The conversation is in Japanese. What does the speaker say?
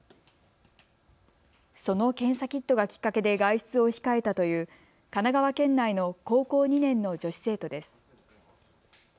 その検査キットがきっかけで外出を控えたという神奈川県内の高校２年の女子生徒です。